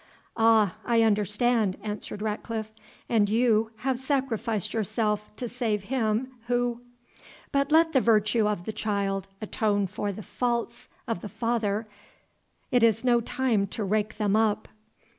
"Ah! I understand," answered Ratcliffe; "and you have sacrificed yourself to save him who But let the virtue of the child atone for the faults of the father it is no time to rake them up.